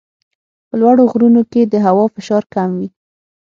په لوړو غرونو کې د هوا فشار کم وي.